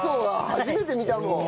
初めて見たもん。